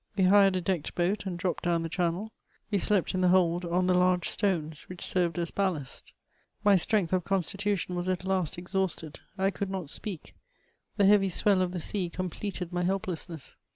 We hired a decked boat and dropped down the channeL We slept in the hold, on the large stones, which served as ballast. My strength of con stitution was at last exhausted ; I could not speak ; the heavy swell of the sea completed my helplessness.